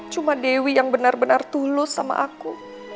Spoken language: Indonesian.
cuma dewi yang benar benar tulus sama aku